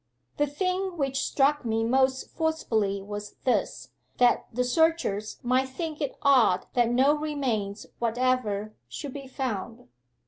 The thing which struck me most forcibly was this, that the searchers might think it odd that no remains whatever should be found.